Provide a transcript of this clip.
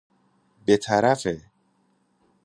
بطرف ِ